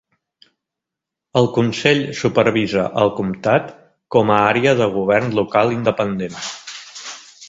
El consell supervisa el comtat com a àrea de govern local independent.